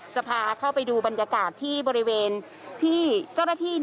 จะพาเข้าไปดูบรรยากาศที่บริเวณที่เจ้าหน้าที่